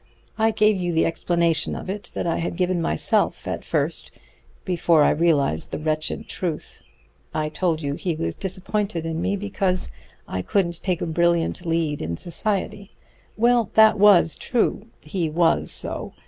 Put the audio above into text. I gave you the explanation of it that I had given myself at first, before I realized the wretched truth; I told you he was disappointed in me because I couldn't take a brilliant lead in society. Well, that was true. He was so.